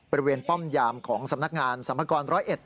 บริเวณป้อมยามของสำนักงานสรรพากรรมร้อยเอ็ด